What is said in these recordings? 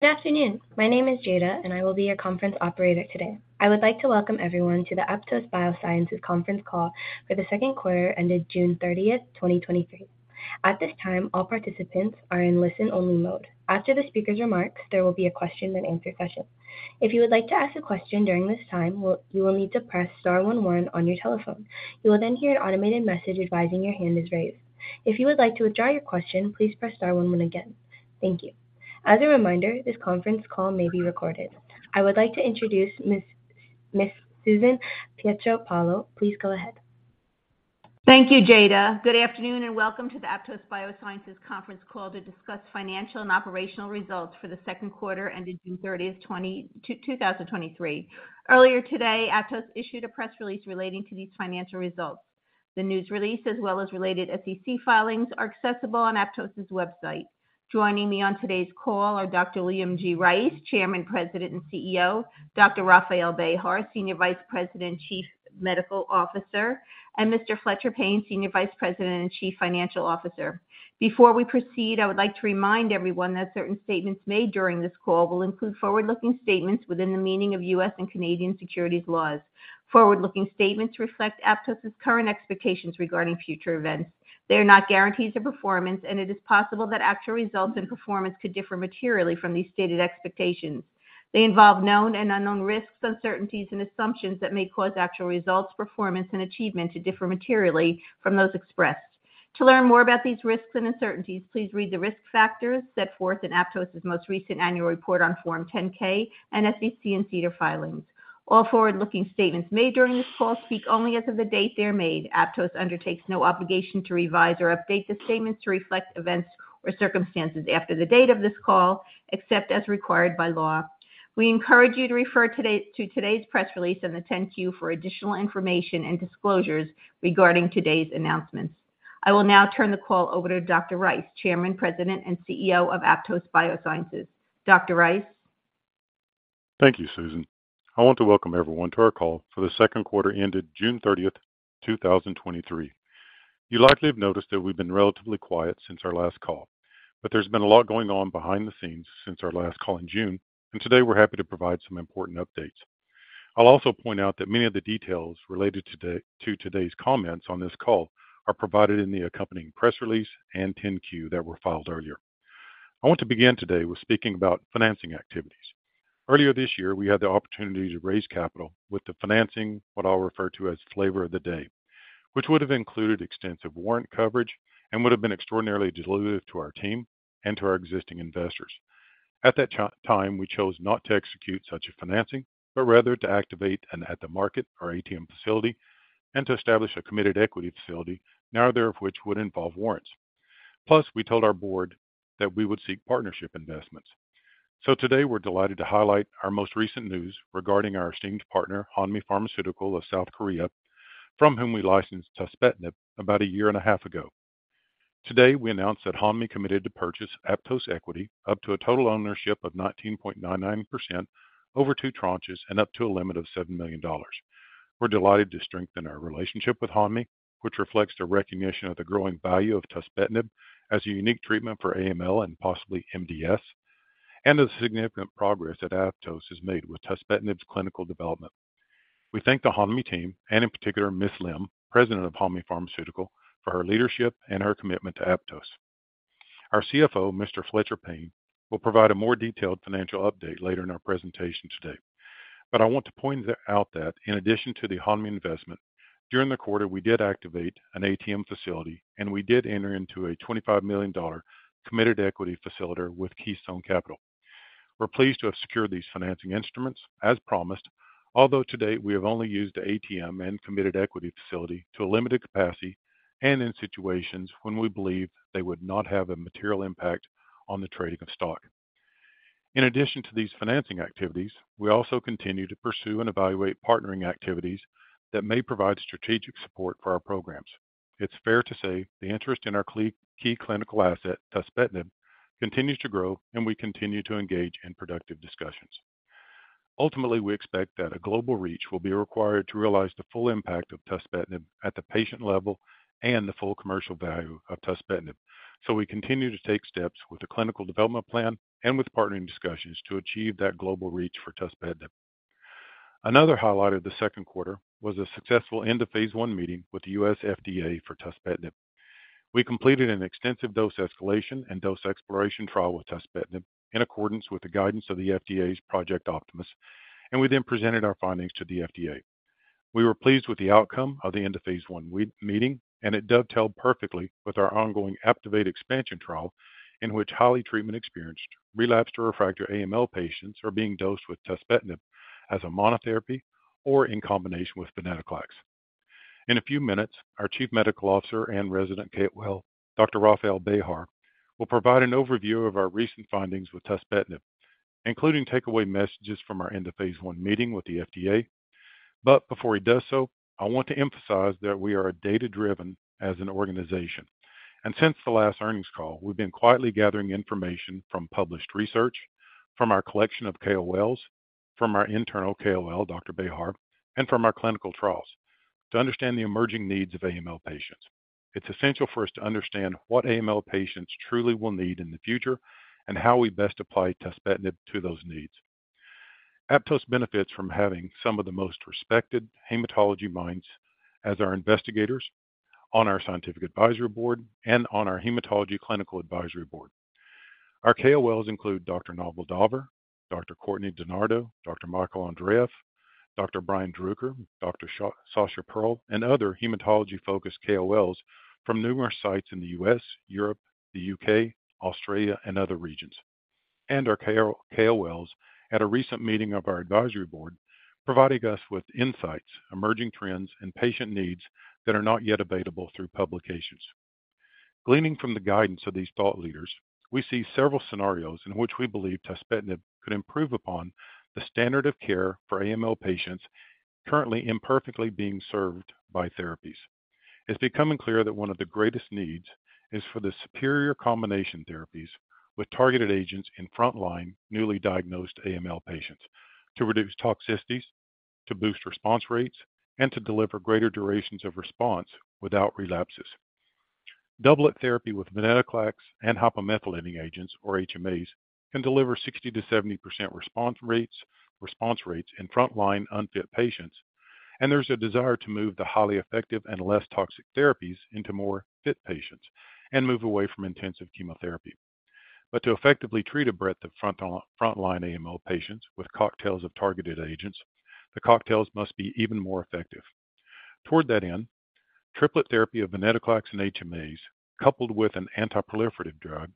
Good afternoon. My name is Jada, I will be your conference operator today. I would like to welcome everyone to the Aptose Biosciences conference call for the second quarter ended June 30th, 2023. At this time, all participants are in listen-only mode. After the speaker's remarks, there will be a question and answer session. If you would like to ask a question during this time, you will need to press star one one on your telephone. You will hear an automated message advising your hand is raised. If you would like to withdraw your question, please press star one one again. Thank you. As a reminder, this conference call may be recorded. I would like to introduce Miss Susan Pietropaolo. Please go ahead. Thank you, Jada. Good afternoon, and welcome to the Aptose Biosciences conference call to discuss financial and operational results for the second quarter ended June 30th, 2023. Earlier today, Aptose issued a press release relating to these financial results. The news release, as well as related SEC filings, are accessible on Aptose's website. Joining me on today's call are Dr. William G. Rice, Chairman, President, and CEO; Dr. Rafael Bejar, Senior Vice President and Chief Medical Officer; and Mr. Fletcher Payne, Senior Vice President and Chief Financial Officer. Before we proceed, I would like to remind everyone that certain statements made during this call will include forward-looking statements within the meaning of U.S. and Canadian securities laws. Forward-looking statements reflect Aptose's current expectations regarding future events. They are not guarantees of performance, and it is possible that actual results and performance could differ materially from these stated expectations. They involve known and unknown risks, uncertainties, and assumptions that may cause actual results, performance, and achievement to differ materially from those expressed. To learn more about these risks and uncertainties, please read the risk factors set forth in Aptose's most recent annual report on Form 10-K and SEC and SEDAR filings. All forward-looking statements made during this call speak only as of the date they are made. Aptose undertakes no obligation to revise or update the statements to reflect events or circumstances after the date of this call, except as required by law. We encourage you to refer today-- to today's press release and the 10-Q for additional information and disclosures regarding today's announcements. I will now turn the call over to Dr.Rice, Chairman, President, and CEO of Aptose Biosciences. Dr. Rice? Thank you, Susan. I want to welcome everyone to our call for the 2Q ended June 30, 2023. You likely have noticed that we've been relatively quiet since our last call, but there's been a lot going on behind the scenes since our last call in June, and today we're happy to provide some important updates. I'll also point out that many of the details related to today's comments on this call are provided in the accompanying press release and 10-Q that were filed earlier. I want to begin today with speaking about financing activities. Earlier this year, we had the opportunity to raise capital with the financing, what I'll refer to as flavor of the day, which would have included extensive warrant coverage and would have been extraordinarily dilutive to our team and to our existing investors. At that time, we chose not to execute such a financing, rather to activate an at the market or ATM facility and to establish a committed equity facility, neither of which would involve warrants. We told our board that we would seek partnership investments. Today, we're delighted to highlight our most recent news regarding our esteemed partner, Hanmi Pharmaceutical of South Korea, from whom we licensed tuspetinib about a year and a half ago. Today, we announced that Hanmi committed to purchase Aptose equity up to a total ownership of 19.99% over 2 tranches and up to a limit of $7 million. We're delighted to strengthen our relationship with Hanmi, which reflects their recognition of the growing value of tuspetinib as a unique treatment for AML and possibly MDS, and the significant progress that Aptose has made with tuspetinib's clinical development. We thank the Hanmi team, and in particular, Miss Lim, President of Hanmi Pharmaceutical, for her leadership and her commitment to Aptose. Our CFO, Mr. Fletcher Payne, will provide a more detailed financial update later in our presentation today. I want to point out that in addition to the Hanmi investment, during the quarter, we did activate an ATM facility, and we did enter into a $25 million committed equity facility with Keystone Capital Partners. We're pleased to have secured these financing instruments as promised, although to date, we have only used the ATM and committed equity facility to a limited capacity and in situations when we believed they would not have a material impact on the trading of stock. In addition to these financing activities, we also continue to pursue and evaluate partnering activities that may provide strategic support for our programs. It's fair to say the interest in our key clinical asset, tuspetinib, continues to grow, and we continue to engage in productive discussions. Ultimately, we expect that a global reach will be required to realize the full impact of tuspetinib at the patient level and the full commercial value of tuspetinib. We continue to take steps with the clinical development plan and with partnering discussions to achieve that global reach for tuspetinib. Another highlight of the second quarter was a successful end of phase 1 meeting with the U.S. FDA for tuspetinib. We completed an extensive dose escalation and dose exploration trial with tuspetinib in accordance with the guidance of the FDA's Project Optimus, we then presented our findings to the FDA. We were pleased with the outcome of the end of phase One meeting. It dovetailed perfectly with our ongoing APTIVATE expansion trial, in which highly treatment-experienced, relapsed or refractory AML patients are being dosed with tuspetinib as a monotherapy or in combination with venetoclax. In a few minutes, our Chief Medical Officer and resident gatewell, Dr. Rafael Bejar, will provide an overview of our recent findings with tuspetinib, including takeaway messages from our end of phase One meeting with the FDA. Before he does so, I want to emphasize that we are data-driven as an organization, and since the last earnings call, we've been quietly gathering information from published research, from our collection of KOLs, from our internal KOL, Dr. Bejar, and from our clinical trials to understand the emerging needs of AML patients. It's essential for us to understand what AML patients truly will need in the future and how we best apply tuspetinib to those needs. Aptose benefits from having some of the most respected hematology minds as our investigators on our scientific advisory board and on our hematology clinical advisory board. Our KOLs include Dr. Naval Daver, Dr. Courtney DiNardo, Dr. Michael Andreeff, Dr. Brian Druker, Dr. Sasha Perl, and other hematology-focused KOLs from numerous sites in the U.S., Europe, the U.K., Australia, and other regions. Our KOLs at a recent meeting of our advisory board, provided us with insights, emerging trends, and patient needs that are not yet available through publications. Gleaning from the guidance of these thought leaders, we see several scenarios in which we believe tuspetinib could improve upon the standard of care for AML patients currently imperfectly being served by therapies. It's becoming clear that one of the greatest needs is for the superior combination therapies with targeted agents in frontline, newly diagnosed AML patients, to reduce toxicities, to boost response rates, and to deliver greater durations of response without relapses. Doublet therapy with venetoclax and hypomethylating agents, or HMAs, can deliver 60%-70% response rates, response rates in frontline unfit patients, and there's a desire to move the highly effective and less toxic therapies into more fit patients and move away from intensive chemotherapy. To effectively treat a breadth of frontline AML patients with cocktails of targeted agents, the cocktails must be even more effective. Toward that end, triplet therapy of venetoclax and HMAs, coupled with an anti-proliferative drug,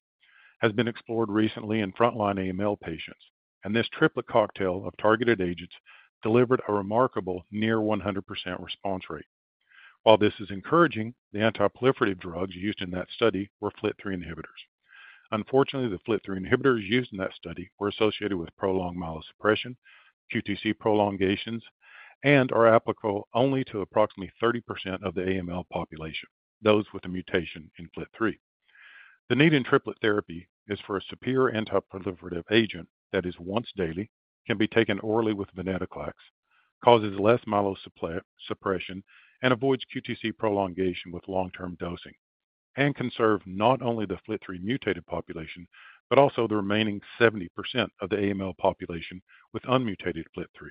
has been explored recently in frontline AML patients, and this triplet cocktail of targeted agents delivered a remarkable near 100% response rate. While this is encouraging, the anti-proliferative drugs used in that study were FLT3 inhibitors. Unfortunately, the FLT3 inhibitors used in that study were associated with prolonged myelosuppression, QTc prolongations, and are applicable only to approximately 30% of the AML population, those with a mutation in FLT3. The need in triplet therapy is for a superior antiproliferative agent that is once daily, can be taken orally with venetoclax, causes less myelosuppression, and avoids QTc prolongation with long-term dosing, and can serve not only the FLT3 mutated population, but also the remaining 70% of the AML population with unmutated FLT3.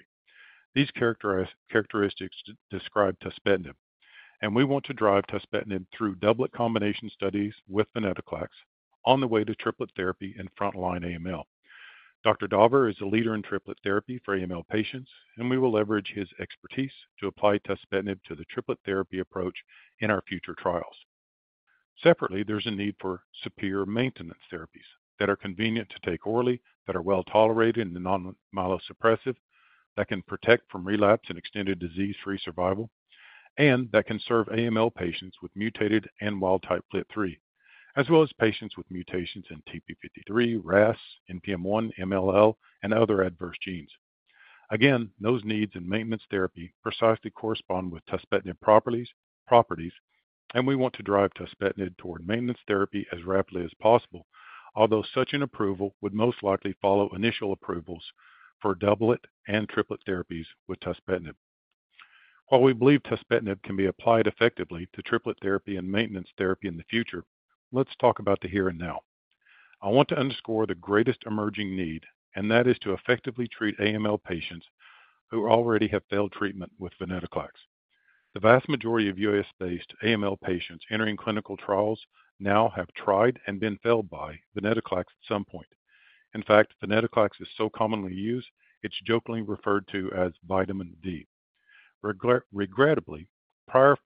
These characteristics describe tuspetinib, and we want to drive tuspetinib through doublet combination studies with venetoclax on the way to triplet therapy in frontline AML. Dr.Daver is a leader in triplet therapy for AML patients, and we will leverage his expertise to apply tuspetinib to the triplet therapy approach in our future trials. Separately, there's a need for superior maintenance therapies that are convenient to take orally, that are well-tolerated in the non-myelosuppressive, that can protect from relapse and extended disease-free survival, and that can serve AML patients with mutated and wild-type FLT3, as well as patients with mutations in TP53, RAS, NPM1, MLL, and other adverse genes. Again, those needs in maintenance therapy precisely correspond with tuspetinib properties, and we want to drive tuspetinib toward maintenance therapy as rapidly as possible, although such an approval would most likely follow initial approvals for doublet and triplet therapies with tuspetinib. While we believe tuspetinib can be applied effectively to triplet therapy and maintenance therapy in the future, let's talk about the here and now. I want to underscore the greatest emerging need, that is to effectively treat AML patients who already have failed treatment with venetoclax. The vast majority of US-based AML patients entering clinical trials now have tried and been failed by venetoclax at some point. In fact, venetoclax is so commonly used, it's jokingly referred to as vitamin V. Regrettably, prior,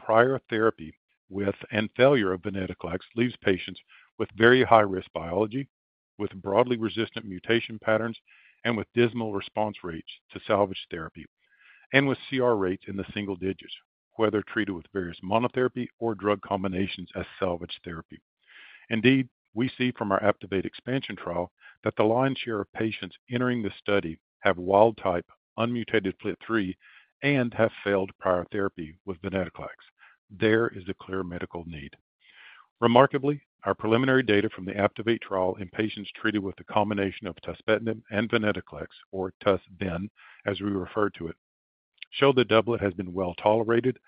prior therapy with and failure of venetoclax leaves patients with very high-risk biology, with broadly resistant mutation patterns, and with dismal response rates to salvage therapy, and with CR rates in the single digits, whether treated with various monotherapy or drug combinations as salvage therapy. Indeed, we see from our APTIVATE expansion trial that the lion's share of patients entering the study have wild-type, unmutated FLT3 and have failed prior therapy with venetoclax. There is a clear medical need. Remarkably, our preliminary data from the APTIVATE trial in patients treated with a combination of tuspetinib and venetoclax, or TUS-VEN, as we refer to it, show the doublet has been well-tolerated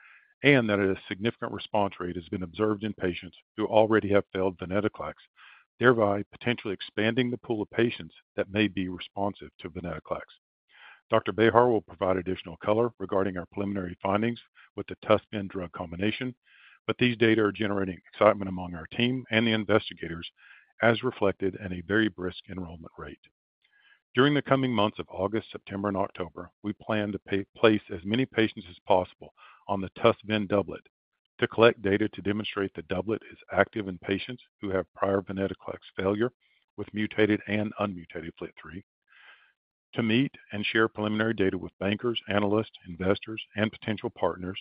and that a significant response rate has been observed in patients who already have failed venetoclax, thereby potentially expanding the pool of patients that may be responsive to venetoclax. Dr. Bejar will provide additional color regarding our preliminary findings with the TUS-VEN drug combination. These data are generating excitement among our team and the investigators, as reflected in a very brisk enrollment rate. During the coming months of August, September, and October, we plan to place as many patients as possible on the TUS-VEN doublet to collect data to demonstrate the doublet is active in patients who have prior venetoclax failure with mutated and unmutated FLT3, to meet and share preliminary data with bankers, analysts, investors, and potential partners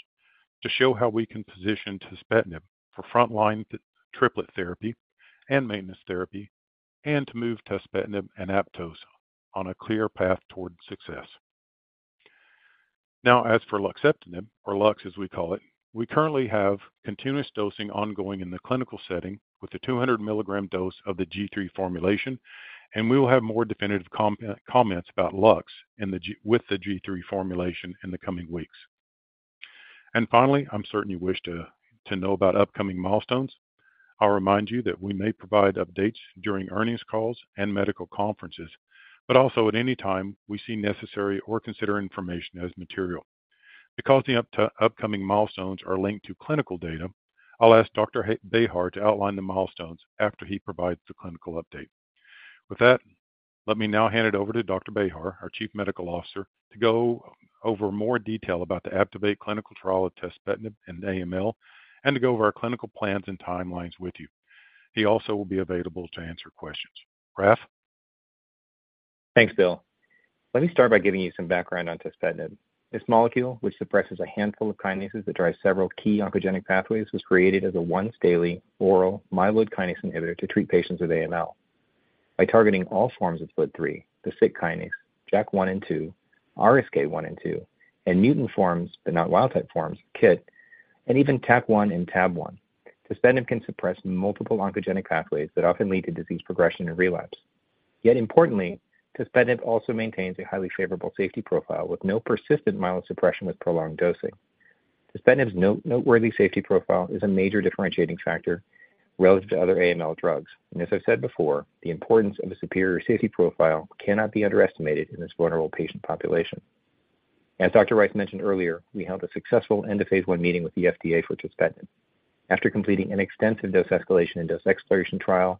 to show how we can position tuspetinib for frontline triplet therapy and maintenance therapy, and to move tuspetinib and Aptose on a clear path towards success. Now, as for luxeptinib, or LUX, as we call it, we currently have continuous dosing ongoing in the clinical setting with a 200 milligram dose of the G3 formulation, and we will have more definitive comments about LUX with the G3 formulation in the coming weeks. Finally, I'm certain you wish to, to know about upcoming milestones. I'll remind you that we may provide updates during earnings calls and medical conferences, but also at any time we see necessary or consider information as material. Because the upcoming milestones are linked to clinical data, I'll ask Dr. Bejar to outline the milestones after he provides the clinical update. Let me now hand it over to Dr. Bejar, our Chief Medical Officer, to go over more detail about the APTIVATE clinical trial of tuspetinib in AML and to go over our clinical plans and timelines with you. He also will be available to answer questions. Rafael? Thanks, Williaml. Let me start by giving you some background on tuspetinib. This molecule, which suppresses a handful of kinases that drive several key oncogenic pathways, was created as a once daily oral myeloid kinase inhibitor to treat patients with AML. By targeting all forms of FLT3, the SYK kinase, JAK1 and 2, RSK1 and 2, and mutant forms, but not wild type forms, KIT, and even TAK1 and TAB1. Tuspetinib can suppress multiple oncogenic pathways that often lead to disease progression and relapse. Yet importantly, tuspetinib also maintains a highly favorable safety profile with no persistent myeloid suppression with prolonged dosing. Tuspetinib's noteworthy safety profile is a major differentiating factor relative to other AML drugs, and as I said before, the importance of a superior safety profile cannot be underestimated in this vulnerable patient population. As Dr. Rice mentioned earlier, we held a successful end of phase I meeting with the FDA for tuspetinib. After completing an extensive dose escalation and dose exploration trial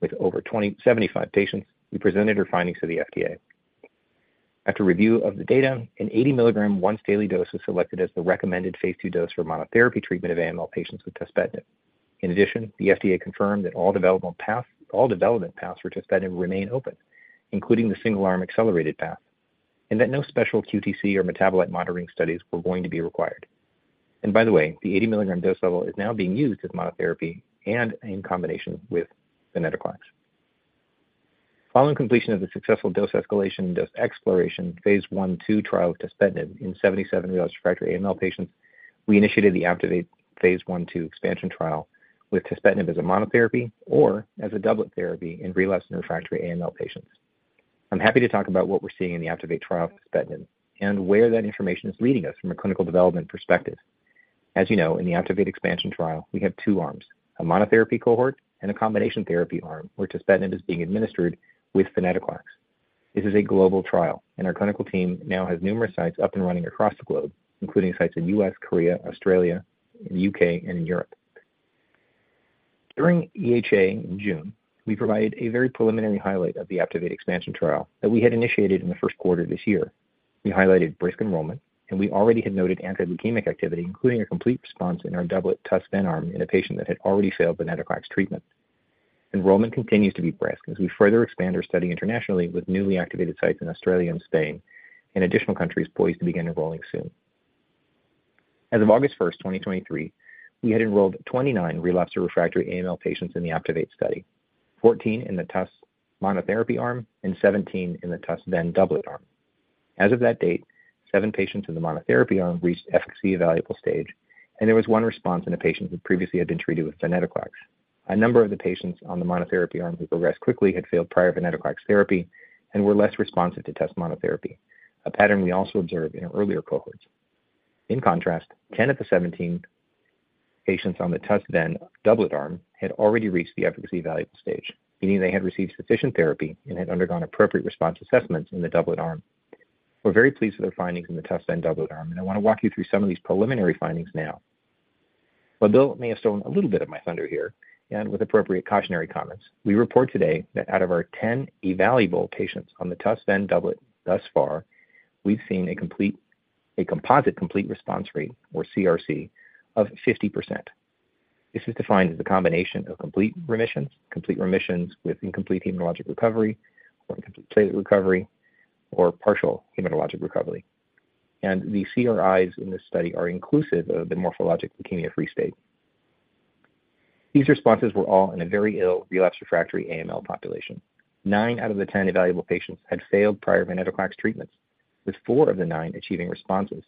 with over 75 patients, we presented our findings to the FDA. After review of the data, an 80 milligram once daily dose was selected as the recommended phase II dose for monotherapy treatment of AML patients with tuspetinib. In addition, the FDA confirmed that all development paths for tuspetinib remain open, including the single-arm accelerated path, and that no special QTc or metabolite monitoring studies were going to be required. By the way, the 80 milligram dose level is now being used as monotherapy and in combination with venetoclax. Following completion of the successful dose escalation, dose exploration, phase 1/2 trial of tuspetinib in 77 relapsed refractory AML patients, we initiated the APTIVATE phase 1/2 expansion trial with tuspetinib as a monotherapy or as a doublet therapy in relapsed refractory AML patients. I'm happy to talk about what we're seeing in the APTIVATE trial of tuspetinib and where that information is leading us from a clinical development perspective. As you know, in the APTIVATE expansion trial, we have two arms: a monotherapy cohort and a combination therapy arm, where tuspetinib is being administered with venetoclax. This is a global trial, and our clinical team now has numerous sites up and running across the globe, including sites in U.S., Korea, Australia, in the U.K., and in Europe. During EHA in June, we provided a very preliminary highlight of the APTIVATE expansion trial that we had initiated in the 1st quarter of this year. We highlighted brisk enrollment, and we already had noted anti-leukemic activity, including a complete response in our doublet TUS-VEN arm in a patient that had already failed venetoclax treatment. Enrollment continues to be brisk as we further expand our study internationally with newly activated sites in Australia and Spain, and additional countries poised to begin enrolling soon. As of August 1, 2023, we had enrolled 29 relapsed or refractory AML patients in the APTIVATE study, 14 in the TUS monotherapy arm and 17 in the TUS-VEN doublet arm. As of that date, 7 patients in the monotherapy arm reached FC evaluable stage, and there was 1 response in a patient who previously had been treated with venetoclax. A number of the patients on the monotherapy arm who progressed quickly had failed prior venetoclax therapy and were less responsive to TUS monotherapy, a pattern we also observed in our earlier cohorts. In contrast, 10 of the 17 patients on the TUS-VEN doublet arm had already reached the efficacy evaluable stage, meaning they had received sufficient therapy and had undergone appropriate response assessments in the doublet arm. We're very pleased with our findings in the TUS-VEN doublet arm, and I want to walk you through some of these preliminary findings now. Well, Bill may have stolen a little bit of my thunder here, and with appropriate cautionary comments, we report today that out of our 10 evaluable patients on the TUS-VEN doublet thus far, we've seen a complete, a composite complete response rate, or CRC, of 50%. This is defined as a combination of complete remissions, complete remissions with incomplete hematologic recovery or incomplete platelet recovery, or partial hematologic recovery. The CRIs in this study are inclusive of the morphologic leukemia-free state. These responses were all in a very ill, relapsed, refractory AML population. 9 out of the 10 evaluable patients had failed prior venetoclax treatments, with 4 of the 9 achieving responses.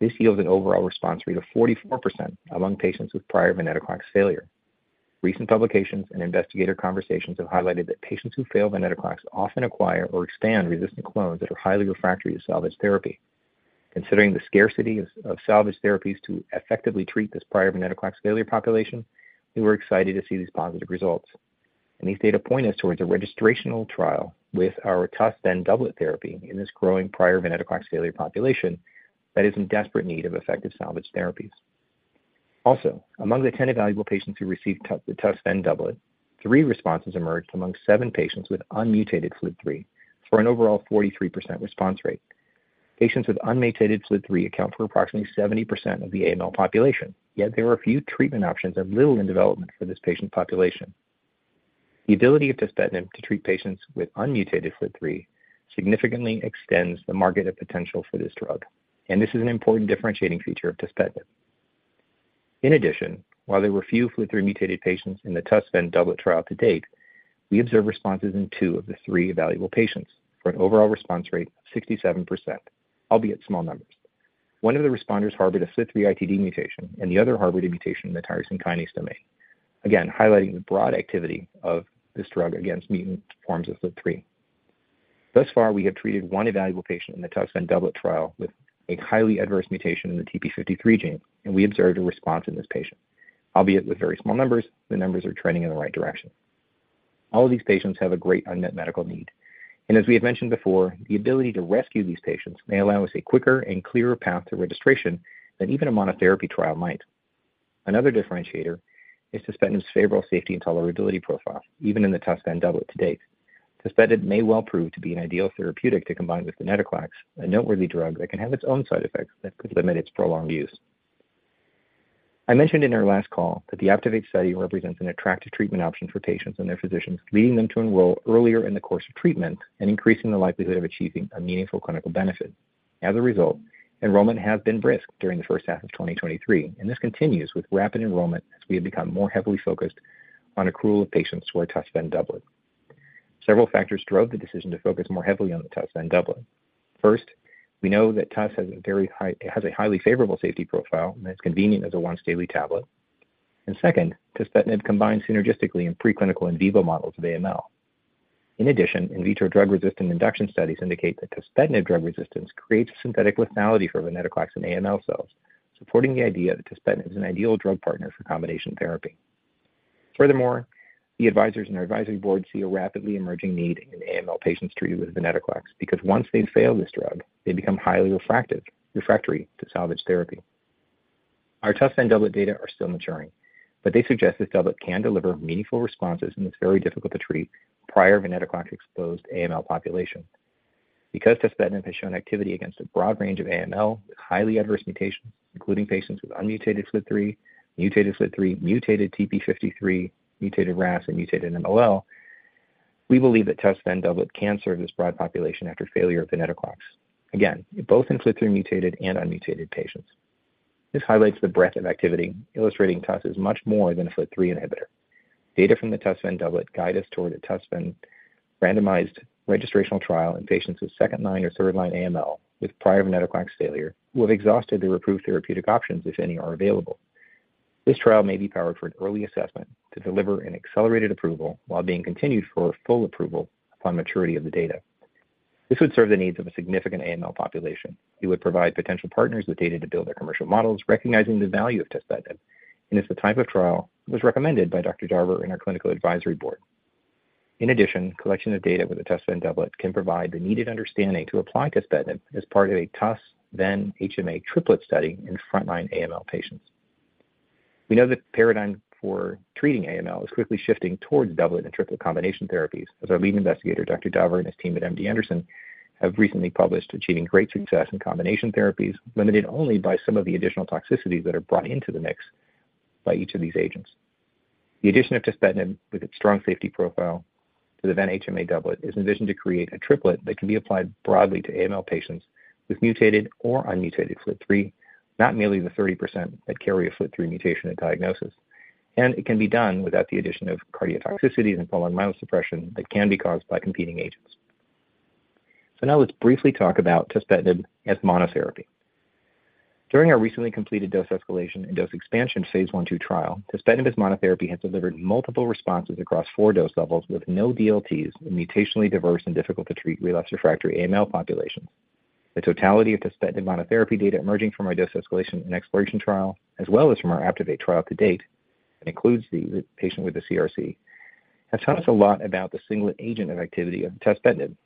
This yields an overall response rate of 44% among patients with prior venetoclax failure. Recent publications and investigator conversations have highlighted that patients who fail venetoclax often acquire or expand resistant clones that are highly refractory to salvage therapy. Considering the scarcity of salvage therapies to effectively treat this prior venetoclax failure population, we were excited to see these positive results. These data point us towards a registrational trial with our TUS-VEN doublet therapy in this growing prior venetoclax failure population that is in desperate need of effective salvage therapies. Also, among the 10 evaluable patients who received the TUS-VEN doublet, 3 responses emerged among 7 patients with unmutated FLT3, for an overall 43% response rate. Patients with unmutated FLT3 account for approximately 70% of the AML population, yet there are few treatment options and little in development for this patient population. The ability of tuspetinib to treat patients with unmutated FLT3 significantly extends the market of potential for this drug, and this is an important differentiating feature of tuspetinib. In addition, while there were few FLT3-mutated patients in the TUS-VEN doublet trial to date, we observed responses in 2 of the 3 evaluable patients for an overall response rate of 67%, albeit small numbers. One of the responders harbored a FLT3 ITD mutation, and the other harbored a mutation in the tyrosine kinase domain. Again, highlighting the broad activity of this drug against mutant forms of FLT3. Thus far, we have treated one evaluable patient in the TUSVEN doublet trial with a highly adverse mutation in the TP53 gene, and we observed a response in this patient. Albeit with very small numbers, the numbers are trending in the right direction. All of these patients have a great unmet medical need, and as we have mentioned before, the ability to rescue these patients may allow us a quicker and clearer path to registration than even a monotherapy trial might. Another differentiator is tuspetinib's favorable safety and tolerability profile, even in the TUSVEN doublet to date. tuspetinib may well prove to be an ideal therapeutic to combine with venetoclax, a noteworthy drug that can have its own side effects that could limit its prolonged use. I mentioned in our last call that the APTIVATE study represents an attractive treatment option for patients and their physicians, leading them to enroll earlier in the course of treatment and increasing the likelihood of achieving a meaningful clinical benefit. As a result, enrollment has been brisk during the first half of 2023, and this continues with rapid enrollment as we have become more heavily focused on accrual of patients who are TUSVEN doublet. Several factors drove the decision to focus more heavily on the TUSVEN doublet. First, we know that TUS has a highly favorable safety profile and as convenient as a once-daily tablet. Second, tuspetinib combines synergistically in preclinical in vivo models of AML. In addition, in vitro drug-resistant induction studies indicate that tuspetinib drug resistance creates a synthetic lethality for venetoclax in AML cells, supporting the idea that tuspetinib is an ideal drug partner for combination therapy. Furthermore, the advisors and our advisory board see a rapidly emerging need in AML patients treated with venetoclax, because once they fail this drug, they become highly refractive, refractory to salvage therapy. Our TUS-VEN doublet data are still maturing, but they suggest this doublet can deliver meaningful responses, and it's very difficult to treat prior venetoclax-exposed AML population. Because tuspetinib has shown activity against a broad range of AML with highly adverse mutations, including patients with unmutated FLT3, mutated FLT3, mutated TP53, mutated RAS, and mutated MLL, we believe that TUS-VEN doublet can serve this broad population after failure of venetoclax. Again, both in FLT3 mutated and unmutated patients. This highlights the breadth of activity, illustrating TUS is much more than a FLT3 inhibitor. Data from the TUSVEN doublet guide us toward a TUSVEN randomized registrational trial in patients with second-line or third-line AML with prior Venetoclax failure, who have exhausted their approved therapeutic options, if any, are available. This trial may be powered for an early assessment to deliver an accelerated approval while being continued for full approval upon maturity of the data. This would serve the needs of a significant AML population. It would provide potential partners with data to build their commercial models, recognizing the value of tuspetinib, it's the type of trial that was recommended by Dr. Daver in our clinical advisory board. In addition, collection of data with the TUS-VEN doublet can provide the needed understanding to apply tuspetinib as part of a TUS, then HMA triplet study in frontline AML patients. We know the paradigm for treating AML is quickly shifting towards doublet and triplet combination therapies, as our lead investigator, Dr. Daver, and his team at MD Anderson, have recently published, achieving great success in combination therapies, limited only by some of the additional toxicities that are brought into the mix by each of these agents. The addition of tuspetinib, with its strong safety profile to the then HMA doublet, is envisioned to create a triplet that can be applied broadly to AML patients with mutated or unmutated FLT3, not merely the 30% that carry a FLT3 mutation at diagnosis. It can be done without the addition of cardiotoxicity and following myelosuppression that can be caused by competing agents. Now let's briefly talk about tuspetinib as monotherapy. During our recently completed dose escalation and dose expansion phase 1/2 trial, tuspetinib as monotherapy has delivered multiple responses across 4 dose levels with no DLTs in mutationally diverse and difficult to treat relapse refractory AML populations. The totality of tuspetinib monotherapy data emerging from our dose escalation and exploration trial, as well as from our APTIVATE trial to date, and includes the patient with the CRC, has taught us a lot about the singlet agent and activity of tuspetinib.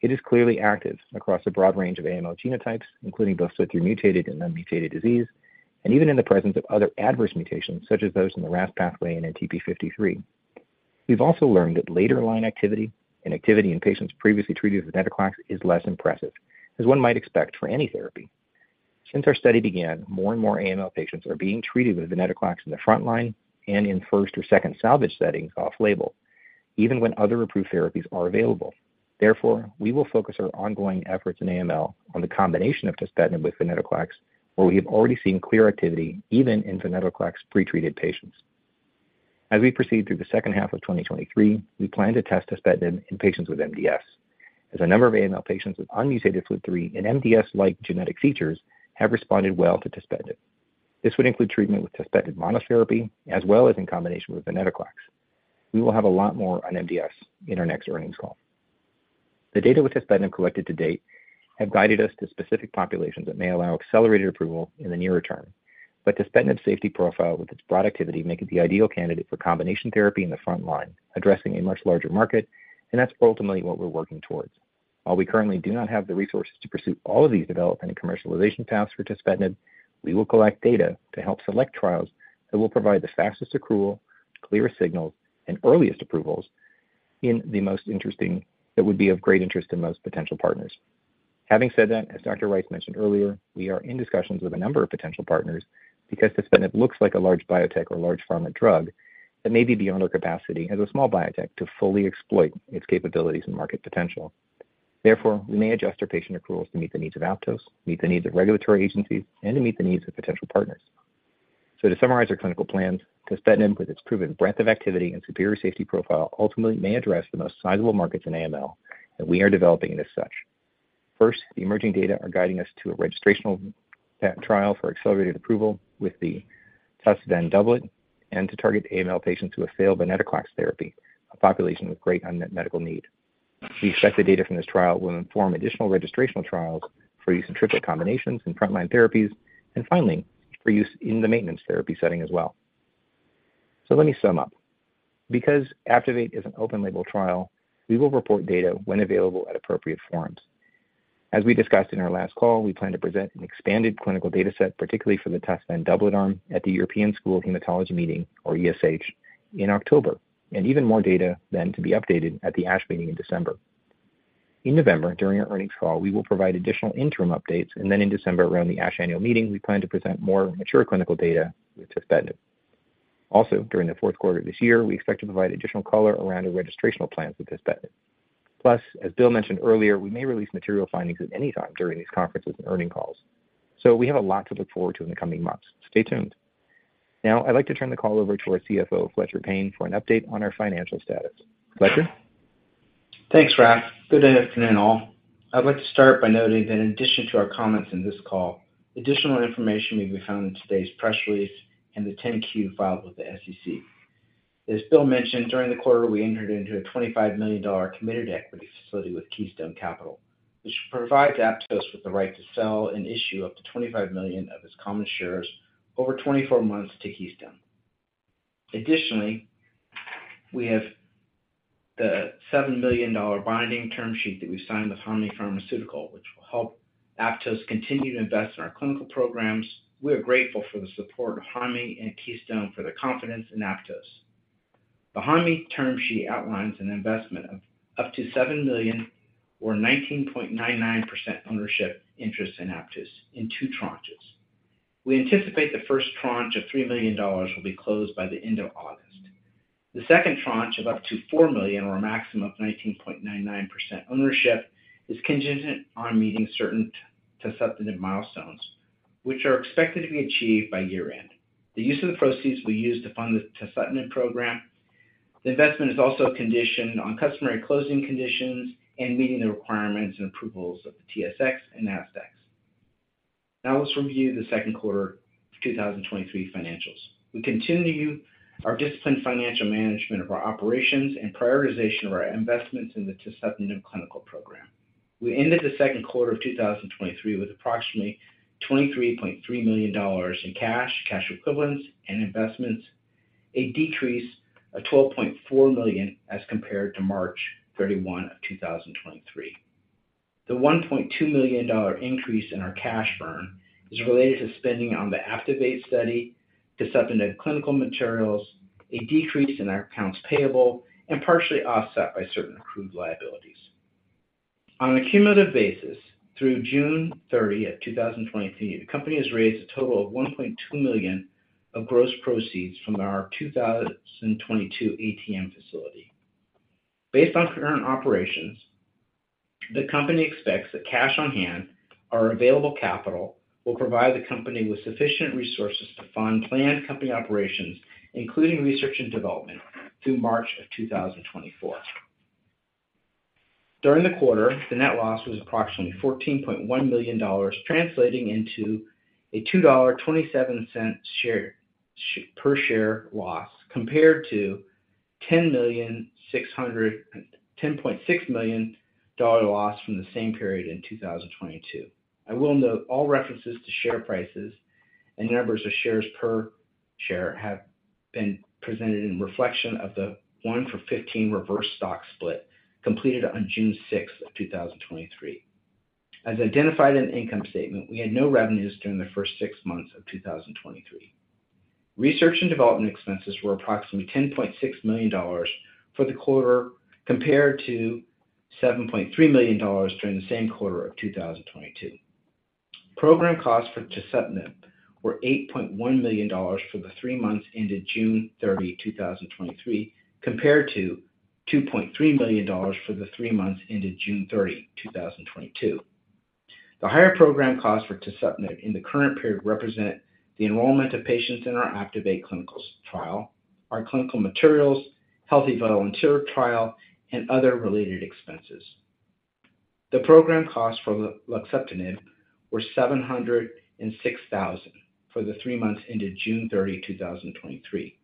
It is clearly active across a broad range of AML genotypes, including both FLT3 mutated and unmutated disease, and even in the presence of other adverse mutations, such as those in the RAS pathway and in TP53. We've also learned that later line activity and activity in patients previously treated with venetoclax is less impressive, as one might expect for any therapy. Since our study began, more and more AML patients are being treated with venetoclax in the front line and in first or second salvage settings off-label, even when other approved therapies are available. Therefore, we will focus our ongoing efforts in AML on the combination of tuspetinib with venetoclax, where we have already seen clear activity even in venetoclax-pretreated patients. As we proceed through the second half of 2023, we plan to test tuspetinib in patients with MDS, as a number of AML patients with unmutated FLT3 and MDS-like genetic features have responded well to tuspetinib. This would include treatment with tuspetinib monotherapy as well as in combination with venetoclax. We will have a lot more on MDS in our next earnings call. The data with tuspetinib collected to date have guided us to specific populations that may allow accelerated approval in the near term. tuspetinib safety profile with its broad activity, make it the ideal candidate for combination therapy in the front line, addressing a much larger market, and that's ultimately what we're working towards. While we currently do not have the resources to pursue all of these development and commercialization paths for tuspetinib, we will collect data to help select trials that will provide the fastest accrual, clearest signals, and earliest approvals that would be of great interest in most potential partners. Having said that, as Dr. Rice mentioned earlier, we are in discussions with a number of potential partners because tuspetinib looks like a large biotech or large pharma drug that may be beyond our capacity as a small biotech to fully exploit its capabilities and market potential. We may adjust our patient approvals to meet the needs of Aptose, meet the needs of regulatory agencies, and to meet the needs of potential partners. To summarize our clinical plans, tuspetinib, with its proven breadth of activity and superior safety profile, ultimately may address the most sizable markets in AML, and we are developing it as such. First, the emerging data are guiding us to a registrational trial for accelerated approval with the tuspetinib doublet, and to target AML patients who have failed venetoclax therapy, a population with great unmet medical need. We expect the data from this trial will inform additional registrational trials for use in triplet combinations and frontline therapies, finally, for use in the maintenance therapy setting as well. Let me sum up. Because APTIVATE is an open-label trial, we will report data when available at appropriate forums. As we discussed in our last call, we plan to present an expanded clinical data set, particularly for the tuspetinib doublet arm, at the European School of Hematology meeting, or ESH, in October, even more data then to be updated at the ASH meeting in December. In November, during our earnings call, we will provide additional interim updates, then in December, around the ASH annual meeting, we plan to present more mature clinical data with tuspetinib. Also, during the fourth quarter of this year, we expect to provide additional color around our registrational plans with tuspetinib. As william mentioned earlier, we may release material findings at any time during these conferences and earnings calls. We have a lot to look forward to in the coming months. Stay tuned. Now, I'd like to turn the call over to our CFO, Fletcher Payne, for an update on our financial status. Fletcher? Thanks, Rafael. Good afternoon, all. I'd like to start by noting that in addition to our comments in this call, additional information may be found in today's press release and the 10-Q filed with the SEC. As Bill mentioned, during the quarter, we entered into a $25 million committed equity facility with Keystone Capital Partners, which provides Aptose with the right to sell and issue up to $25 million of its common shares over 24 months to Keystone. Additionally, we have the $7 million binding term sheet that we signed with Hanmi Pharmaceutical, which will help Aptose continue to invest in our clinical programs. We are grateful for the support of Hanmi and Keystone for their confidence in Aptose. The Hanmi term sheet outlines an investment of up to $7 million, or 19.99% ownership interest in Aptose in two tranches. We anticipate the first tranche of $3 million will be closed by the end of August. The second tranche of up to $4 million, or a maximum of 19.99% ownership, is contingent on meeting certain tuspetinib milestones, which are expected to be achieved by year-end. The use of the proceeds will be used to fund the tuspetinib program. The investment is also conditioned on customary closing conditions and meeting the requirements and approvals of the TSX and NASDAQ. Now, let's review the second quarter of 2023 financials. We continue our disciplined financial management of our operations and prioritization of our investments in the tuspetinib clinical program. We ended the second quarter of 2023 with approximately $23.3 million in cash, cash equivalents, and investments, a decrease of $12.4 million as compared to March 31 of 2023. The $1.2 million increase in our cash burn is related to spending on the APTIVATE study, tuspetinib clinical materials, a decrease in our accounts payable, and partially offset by certain accrued liabilities. On a cumulative basis, through June 30, 2023, the company has raised a total of $1.2 million of gross proceeds from our 2022 ATM facility. Based on current operations, the company expects that cash on hand, our available capital, will provide the company with sufficient resources to fund planned company operations, including research and development, through March 2024. During the quarter, the net loss was approximately $14.1 million, translating into a $2.27 per share loss, compared to a $10.6 million loss from the same period in 2022. I will note all references to share prices and numbers of shares per share have been presented in reflection of the 1 for 15 reverse stock split completed on June 6, 2023. As identified in the income statement, we had no revenues during the first 6 months of 2023. Research and development expenses were approximately $10.6 million for the quarter, compared to $7.3 million during the same quarter of 2022. Program costs for tuspetinib were $8.1 million for the 3 months ended June 30, 2023, compared to $2.3 million for the 3 months ended June 30, 2022. The higher program costs for tuspetinib in the current period represent the enrollment of patients in our APTIVATE clinicals trial, our clinical materials, healthy volunteer trial, and other related expenses. The program costs for luxeptinib were $706,000 for the 3 months ended June 30, 2023,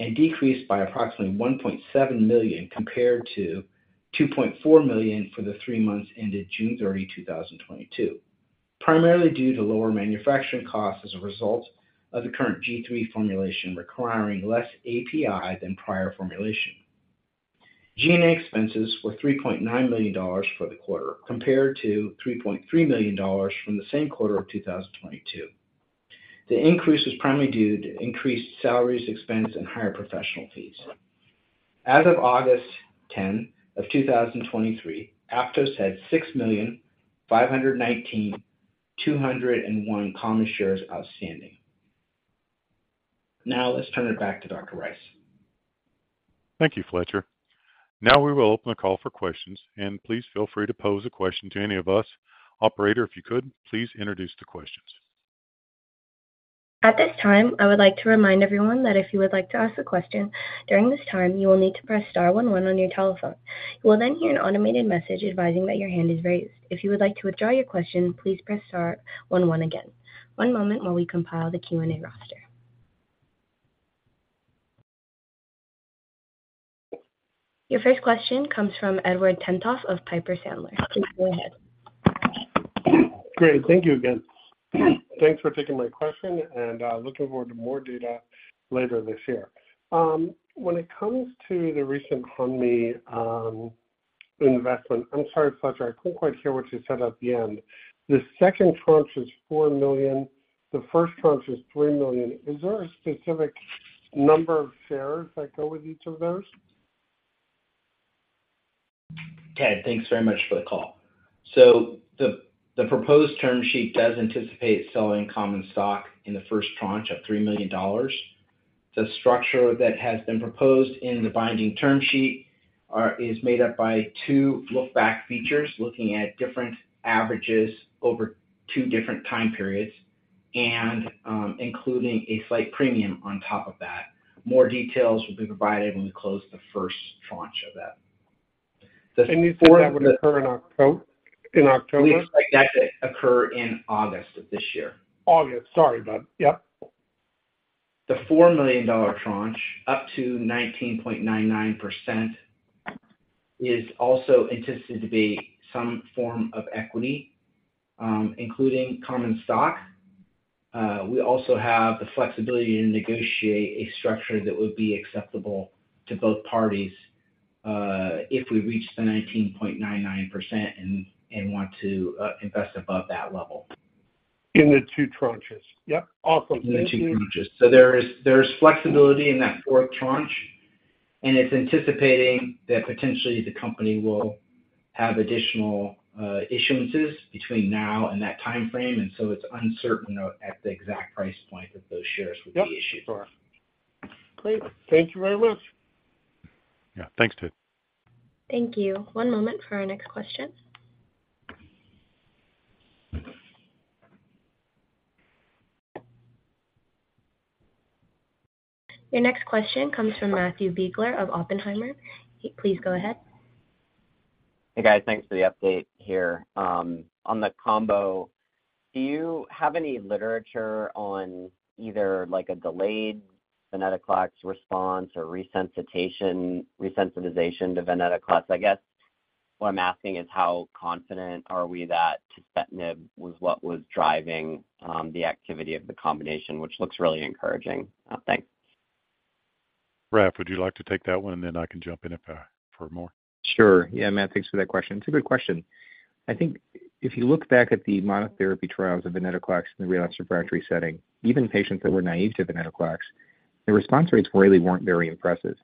and decreased by approximately $1.7 million, compared to $2.4 million for the 3 months ended June 30, 2022, primarily due to lower manufacturing costs as a result of the current G3 formulation requiring less API than prior formulation. GNA expenses were $3.9 million for the quarter, compared to $3.3 million from the same quarter of 2022. The increase was primarily due to increased salaries, expense, and higher professional fees. As of August 10, 2023, Aptose had 6,519,201 common shares outstanding. Now let's turn it back to Dr. Rice. Thank you, Fletcher. Now we will open the call for questions. Please feel free to pose a question to any of us. Operator, if you could, please introduce the questions. At this time, I would like to remind everyone that if you would like to ask a question during this time, you will need to press star one one on your telephone. You will then hear an automated message advising that your hand is raised. If you would like to withdraw your question, please press star one one again. One moment while we compile the Q&A roster. Your first question comes from Edward Tenthoff of Piper Sandler. Please go ahead. Great. Thank you again. Thanks for taking my question, and looking forward to more data later this year. When it comes to the recent Hanmi investment. I'm sorry, Fletcher, I couldn't quite hear what you said at the end. The second tranche is $4 million, the first tranche is $3 million. Is there a specific number of shares that go with each of those? Okay, thanks very much for the call. The, the proposed term sheet does anticipate selling common stock in the first tranche of $3 million. The structure that has been proposed in the binding term sheet are, is made up by 2 look-back features, looking at different averages over 2 different time periods and including a slight premium on top of that. More details will be provided when we close the first tranche of that. Before that would occur in October? In October. We expect that to occur in August of this year. August. Sorry about that. Yes. The $4 million tranche, up to 19.99%, is also anticipated to be some form of equity, including common stock. We also have the flexibility to negotiate a structure that would be acceptable to both parties, if we reach the 19.99% and want to invest above that level. In the 2 tranches? Yes. Awesome. In the 2 tranches. There is, there is flexibility in that 4th tranche, and it's anticipating that potentially the company will have additional issuances between now and that time frame, and so it's uncertain at the exact price point that those shares would be issued. Yes. Sure. Great. Thank you very much. Yeah, thanks, Edward. Thank you. One moment for our next question. Your next question comes from Matthew Biegler of Oppenheimer. Please go ahead. Hey, guys. Thanks for the update here. On the combo, do you have any literature on either, like, a delayed venetoclax response or resensitization, resensitization to venetoclax? I guess what I'm asking is: How confident are we that tuspetinib was what was driving the activity of the combination, which looks really encouraging? Thanks. Rafeel, would you like to take that one, and then I can jump in if for more? Sure. Matthew, thanks for that question. It's a good question. I think if you look back at the monotherapy trials of venetoclax in the relapsed refractory setting, even patients that were naive to venetoclax, the response rates really weren't very impressive.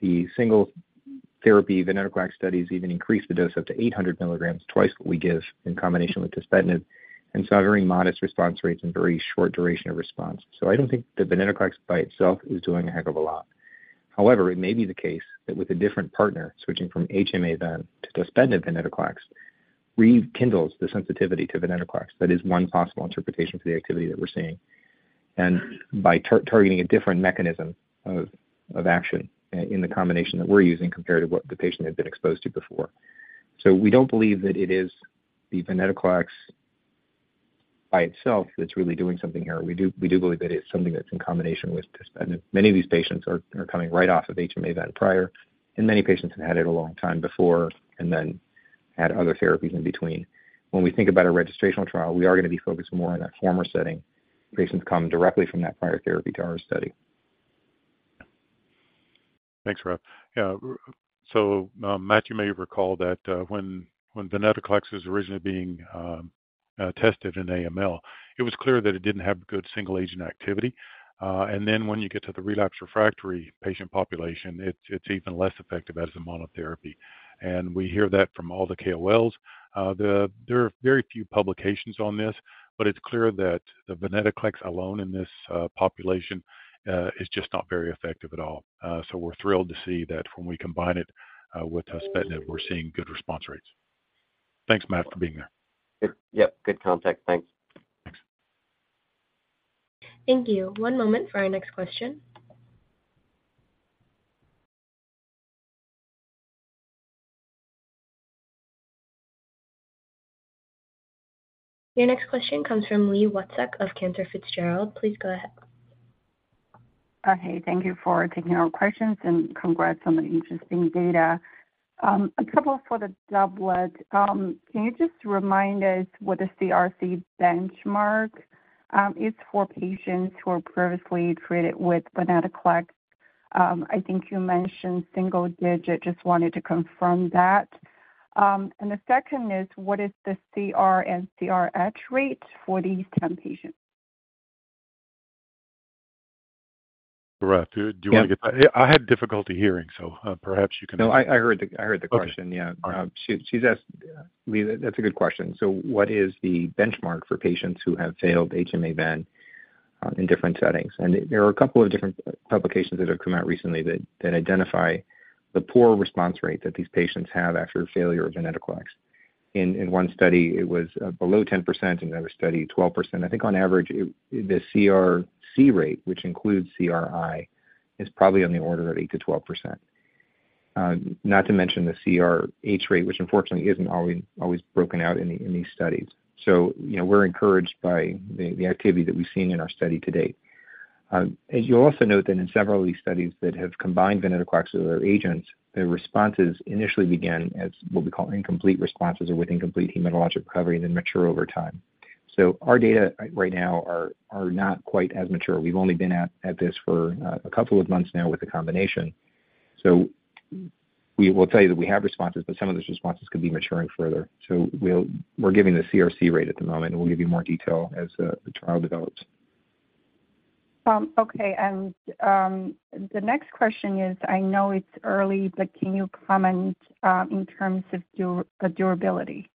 The single therapy venetoclax studies even increased the dose up to 800 milligrams, twice what we give in combination with tuspetinib, and saw very modest response rates and very short duration of response. I don't think the venetoclax by itself is doing a heck of a lot. However, it may be the case that with a different partner, switching from HMA then to tuspetinib venetoclax, rekindles the sensitivity to venetoclax. That is one possible interpretation for the activity that we're seeing. By targeting a different mechanism of action in the combination that we're using compared to what the patient had been exposed to before. We don't believe that it is the venetoclax by itself that's really doing something here. We do, we do believe that it's something that's in combination with tuspetinib. Many of these patients are coming right off of HMA event prior, and many patients have had it a long time before and then had other therapies in between. When we think about a registrational trial, we are gonna be focused more on that former setting, patients coming directly from that prior therapy to our study. Thanks, Rafael. Matthe, you may recall that when venetoclax was originally being tested in AML, it was clear that it didn't have good single-agent activity. Then when you get to the relapsed refractory patient population, it's, it's even less effective as a monotherapy. We hear that from all the KOLs. The, there are very few publications on this, but it's clear that the venetoclax alone in this population is just not very effective at all. We're thrilled to see that when we combine it with tuspetinib, we're seeing good response rates. Thanks, Matt, for being there. Yes, good contact. Thanks. Thanks. Thank you. One moment for our next question. Your next question comes from Li Watsek of Cantor Fitzgerald. Please go ahead. Okay, thank you for taking our questions, and congrats on the interesting data. A couple for the doublet. Can you just remind us what the CRC benchmark is for patients who were previously treated with venetoclax? I think you mentioned single digit. Just wanted to confirm that. The second is, what is the CR and CRH rates for these 10 patients? Rafael, do you want to get? I had difficulty hearing, so perhaps you can. No, I, I heard the question. Okay. Yeah. She, she's asked, Li, that's a good question. What is the benchmark for patients who have failed HMA ven in different settings? There are a couple of different publications that have come out recently that, that identify the poor response rate that these patients have after failure of venetoclax. In, in one study, it was below 10%, in the other study, 12%. I think on average, it, the CRC rate, which includes CRi, is probably on the order of 8%-12%. Not to mention the CRh rate, which unfortunately isn't always, always broken out in the, in these studies. You know, we're encouraged by the, the activity that we've seen in our study to date. As you'll also note that in several of these studies that have combined venetoclax with other agents, the responses initially began as what we call incomplete responses or with incomplete hematologic recovery and then mature over time. Our data right now are not quite as mature. We've only been at this for a couple of months now with the combination. We will tell you that we have responses, but some of those responses could be maturing further. We're giving the CRC rate at the moment, and we'll give you more detail as the trial develops. Okay. The next question is, I know it's early, but can you comment, in terms of the durability?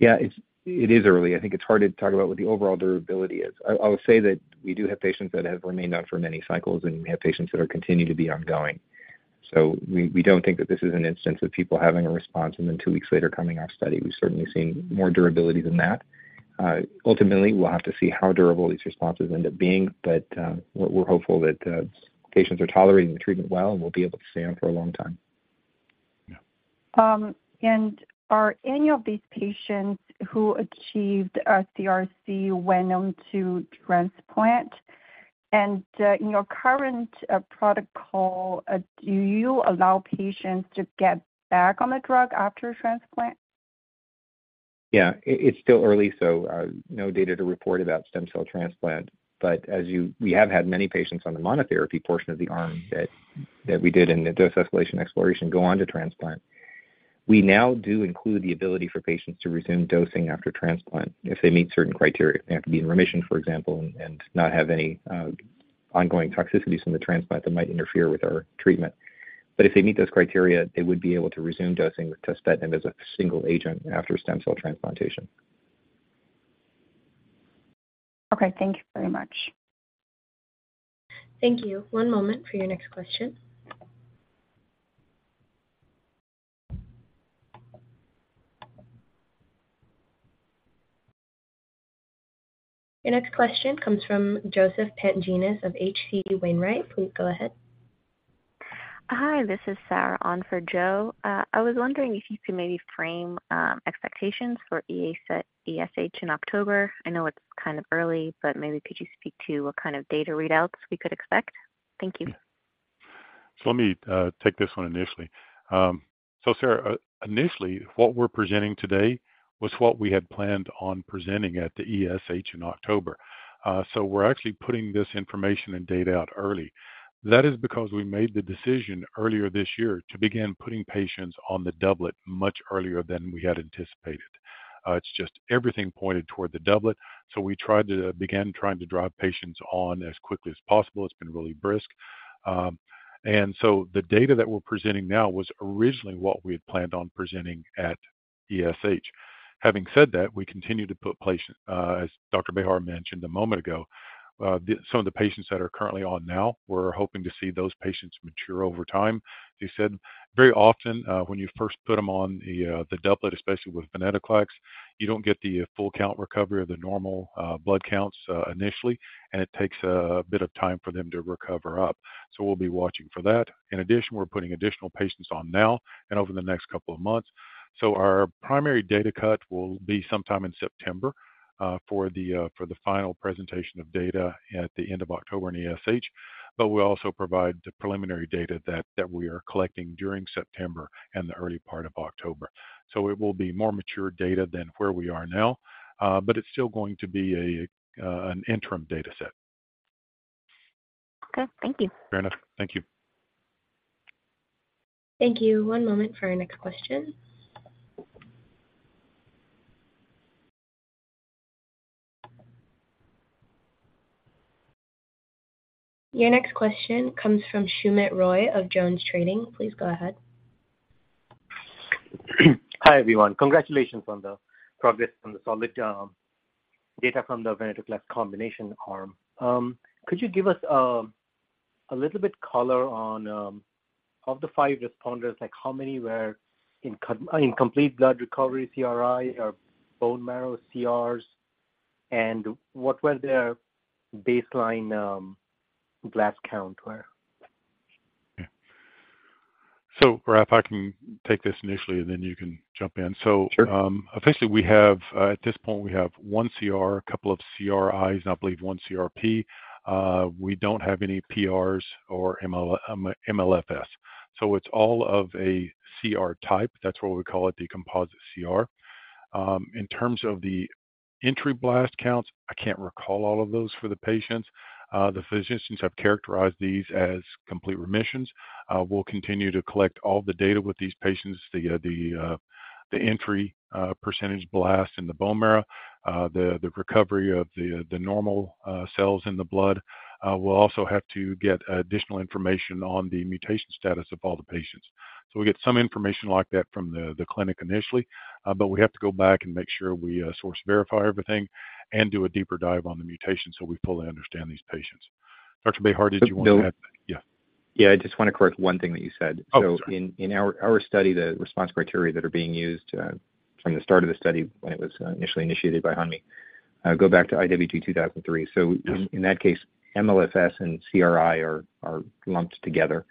Yeah, it's, it is early. I think it's hard to talk about what the overall durability is. I will say that we do have patients that have remained on for many cycles, and we have patients that are continuing to be ongoing. We don't think that this is an instance of people having a response and then two weeks later, coming off study. We've certainly seen more durability than that. Ultimately, we'll have to see how durable these responses end up being, but we're hopeful that patients are tolerating the treatment well and will be able to stay on for a long time. Yeah. Are any of these patients who achieved a CRC went on to transplant? In your current protocol, do you allow patients to get back on the drug after transplant? Yeah. It, it's still early, so, no data to report about stem cell transplant. We have had many patients on the monotherapy portion of the arm that, that we did in the dose escalation exploration go on to transplant. We now do include the ability for patients to resume dosing after transplant if they meet certain criteria. They have to be in remission, for example, and, and not have any, ongoing toxicities from the transplant that might interfere with our treatment. If they meet those criteria, they would be able to resume dosing with tuspetinib as a single agent after stem cell transplantation. Okay, thank you very much. Thank you. One moment for your next question. Your next question comes from Joseph Pantginis of H.C. Wainwright. Please go ahead. Hi, this is Sarah on for Joseph. I was wondering if you could maybe frame expectations for ESH in October. I know it's kind of early, but maybe could you speak to what kind of data readouts we could expect? Thank you. Let me take this one initially. Sarah, initially, what we're presenting today was what we had planned on presenting at the ESH in October. We're actually putting this information and data out early. That is because we made the decision earlier this year to begin putting patients on the doublet much earlier than we had anticipated. It's just everything pointed toward the doublet, so we tried to begin trying to drive patients on as quickly as possible. It's been really brisk. The data that we're presenting now was originally what we had planned on presenting at ESH. Having said that, we continue to put patient, as Dr. Bejar mentioned a moment ago, the some of the patients that are currently on now, we're hoping to see those patients mature over time. He said, very often, when you first put them on the, the doublet, especially with venetoclax, you don't get the full count recovery of the normal, blood counts, initially, and it takes a bit of time for them to recover up. We'll be watching for that. In addition, we're putting additional patients on now and over the next 2 months. Our primary data cut will be sometime in September, for the, for the final presentation of data at the end of October in ESH, but we'll also provide the preliminary data that, that we are collecting during September and the early part of October. It will be more mature data than where we are now, but it's still going to be a, an interim data set. Okay. Thank you. Fair enough. Thank you. Thank you. One moment for our next question. Your next question comes from Soumit Roy of Jones Trading. Please go ahead. Hi, everyone. Congratulations on the progress on the solid data from the venetoclax combination arm. Could you give us a little bit color on of the 5 responders, like, how many were in co- in complete blood recovery, CRi, or bone marrow, CRs, and what were their baseline blast count were? Yeah. Rafael, I can take this initially, and then you can jump in. Sure. officially, we have at this point, we have 1 CR, 2 CRIs, and I believe 1 CRP. We don't have any PRs or MLFS. It's all of a CR type. That's why we call it the composite CR. In terms of entry blast counts, I can't recall all of those for the patients. The physicians have characterized these as complete remissions. We'll continue to collect all the data with these patients. The entry percentage blast in the bone marrow, the recovery of the normal cells in the blood. We'll also have to get additional information on the mutation status of all the patients. We get some information like that from the, the clinic initially, but we have to go back and make sure we source verify everything and do a deeper dive on the mutation so we fully understand these patients. Dr. Bejar, did you want to add? Yeah, I just want to correct one thing that you said. Oh, sorry. In our study, the response criteria that are being used, from the start of the study, when it was initially initiated by Hanmi, go back to IWG 2003. Yes. In that case, MLFS and CRI are lumped together.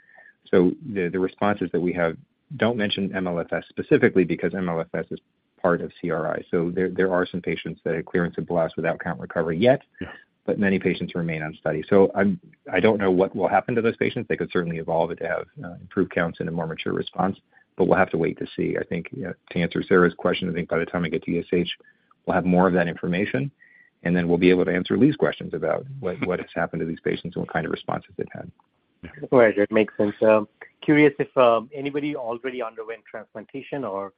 The responses that we have don't mention MLFS specifically because MLFS is part of CRI. There are some patients that had clearance of blast without count recovery yet. Yeah. Many patients remain on study. I don't know what will happen to those patients. They could certainly evolve it to have improved counts and a more mature response, but we'll have to wait to see. I think, you know, to answer Sarah's question, I think by the time I get to ESH, we'll have more of that information, and then we'll be able to answer these questions about what, what has happened to these patients and what kind of responses they've had. Right. That makes sense. Curious if anybody already underwent transplantation or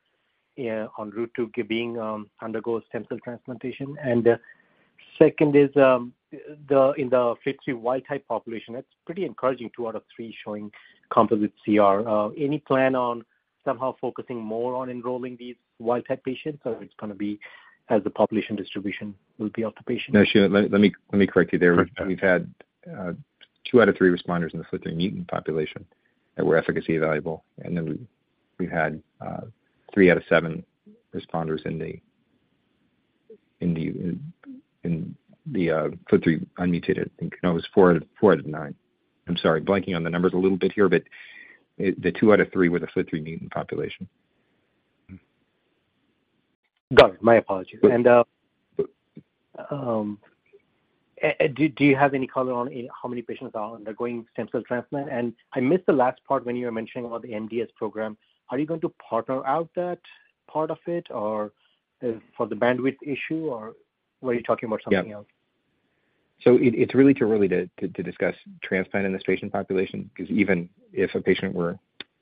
en route to giving undergoes stem cell transplantation? Second is, the, in the FLT3 wild type population, it's pretty encouraging 2 out of 3 showing composite CR. Any plan on somehow focusing more on enrolling these wild type patients, or it's gonna be as the population distribution will be of the patient? No, let me, let me correct you there. Correct. We've had 2 out of 3 responders in the FLT3 mutant population that were efficacy evaluable, and then we had 3 out of 7 responders in the FLT3 unmutated. I think, no, it was 4 out of 9. I'm sorry, blanking on the numbers a little bit here, but the 2 out of 3 were the FLT3 mutant population. Got it. My apologies. Do you have any color on how many patients are undergoing stem cell transplant? I missed the last part when you were mentioning about the MDS program. Are you going to partner out that part of it, or is for the bandwidth issue, or were you talking about something else? Yeah. So it, it's really too early to, to, to discuss transplant in this patient population because even if a patient were,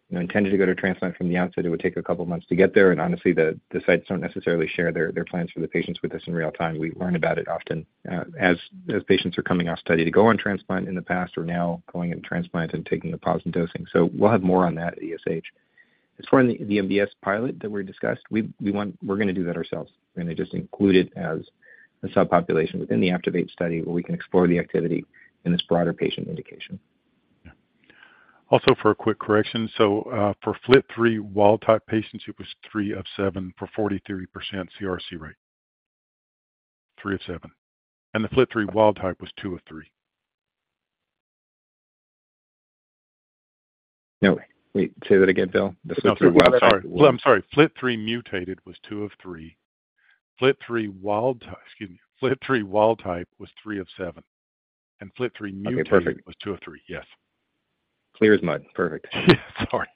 you know, intended to go to transplant from the outset, it would take 2 months to get there. Honestly, the, the sites don't necessarily share their, their plans for the patients with us in real time. We learn about it often, as, as patients are coming off study to go on transplant in the past or now going into transplant and taking the pause in dosing. We'll have more on that at ESH. As for the, the MDS pilot that we discussed, we're gonna do that ourselves. We're gonna just include it as a subpopulation within the APTIVATE study, where we can explore the activity in this broader patient indication. Yeah. Also, for a quick correction. For FLT3 wild type patients, it was 3 of 7 for 43% CRC rate. 3 of 7. The FLT3 wild type was 2 of 3. No, wait, say that again, Bill. The FLT3 wild type- I'm sorry. Well, I'm sorry. FLT3 mutated was 2 of 3. FLT3 wild type, excuse me, FLT3 wild type was 3 of 7, and FLT3 mutated- Okay, perfect. was two of three. Yes. Clear as mud. Perfect. Sorry.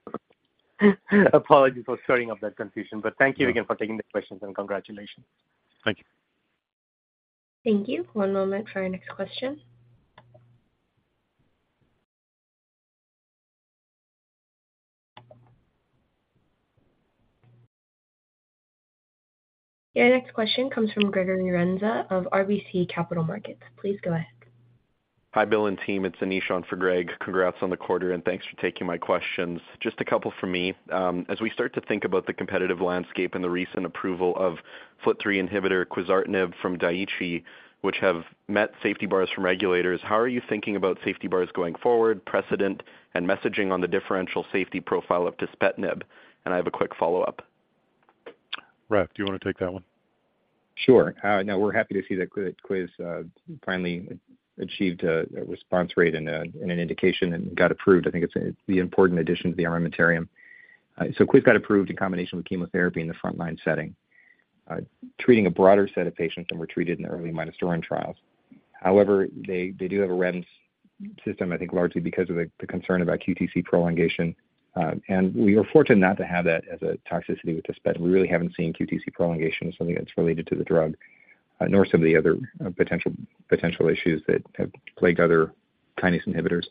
Apologies for stirring up that confusion, but thank you again for taking the questions, and congratulations. Thank you. Thank you. One moment for our next question. Your next question comes from Gregory Renza of RBC Capital Markets. Please go ahead. Hi, Bill and team, it's Anish an for Gregory. Congrats on the quarter, and thanks for taking my questions. Just a couple from me. As we start to think about the competitive landscape and the recent approval of FLT3 inhibitor quizartinib from Daiichi, which have met safety bars from regulators, how are you thinking about safety bars going forward, precedent, and messaging on the differential safety profile of tuspetinib? I have a quick follow-up. Rafael, do you want to take that one? Sure. Now we're happy to see that quiz finally achieved a response rate in an indication and got approved. I think it's the important addition to the armamentarium. Quiz got approved in combination with chemotherapy in the frontline setting, treating a broader set of patients than were treated in the early midostaurin trials. However, they do have a REMS system, I think largely because of the concern about QTc prolongation. And we are fortunate not to have that as a toxicity with dasatinib. We really haven't seen QTc prolongation as something that's related to the drug, nor some of the other issues that have plagued other kinase inhibitors.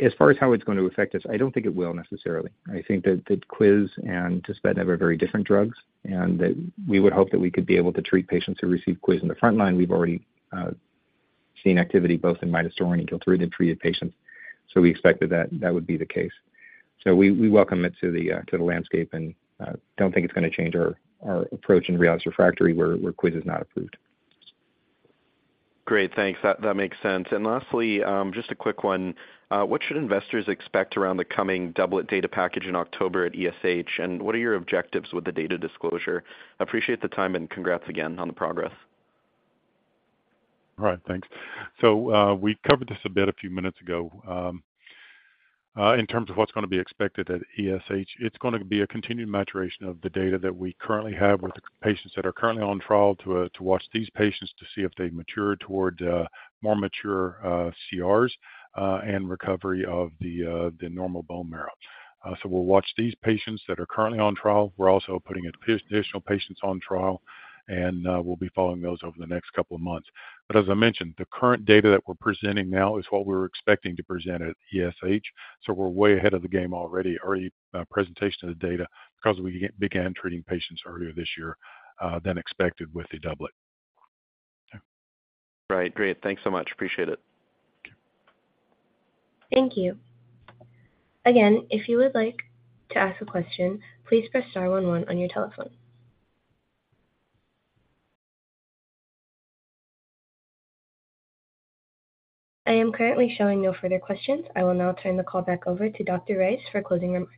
As far as how it's going to affect us, I don't think it will necessarily. I think that the quiz and dasatinib are very different drugs, that we would hope that we could be able to treat patients who receive quiz in the frontline. We've already seen activity both in midostaurin and gilteritinib-treated patients, we expected that that would be the case. We, we welcome it to the to the landscape and don't think it's gonna change our, our approach in relapsed refractory where, where quiz is not approved. Great, thanks. That, that makes sense. Lastly, just a quick one: What should investors expect around the coming doublet data package in October at ESH, and what are your objectives with the data disclosure? Appreciate the time, and congrats again on the progress. All right, thanks. We covered this a bit a few minutes ago. In terms of what's gonna be expected at ESH, it's going to be a continued maturation of the data that we currently have with the patients that are currently on trial to watch these patients, to see if they mature toward more mature CRs and recovery of the normal bone marrow. We'll watch these patients that are currently on trial. We're also putting additional patients on trial, and we'll be following those over the next couple of months. As I mentioned, the current data that we're presenting now is what we were expecting to present at ESH, so we're way ahead of the game already, our presentation of the data, because we began treating patients earlier this year than expected with the doublet. Right. Great. Thanks so much. Appreciate it. Thank you. Thank you. Again, if you would like to ask a question, please press star one one on your telephone. I am currently showing no further questions. I will now turn the call back over to Dr. Rice for closing remarks.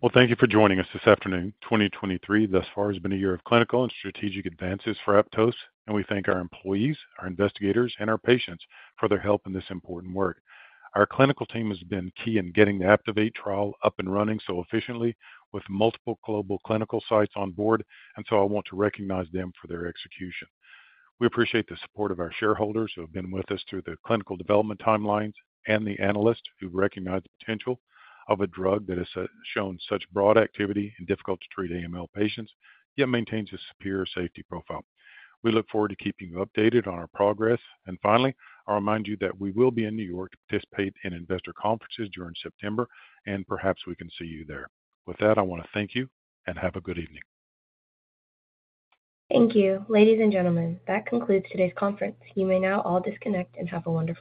Well, thank you for joining us this afternoon. 2023 thus far has been a year of clinical and strategic advances for Aptose, and we thank our employees, our investigators, and our patients for their help in this important work. Our clinical team has been key in getting the APTIVATE trial up and running so efficiently with multiple global clinical sites on board, and so I want to recognize them for their execution. We appreciate the support of our shareholders who have been with us through the clinical development timelines and the analysts who recognize the potential of a drug that has shown such broad activity in difficult to treat AML patients, yet maintains a superior safety profile. We look forward to keeping you updated on our progress. Finally, I'll remind you that we will be in New York to participate in investor conferences during September, and perhaps we can see you there. With that, I want to thank you and have a good evening. Thank you. Ladies and gentlemen, that concludes today's conference. You may now all disconnect and have a wonderful day.